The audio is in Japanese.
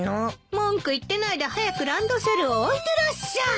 文句言ってないで早くランドセルを置いてらっしゃい。